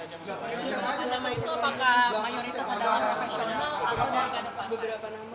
nama nama itu apakah mayoritas adalah profesional atau dari beberapa nama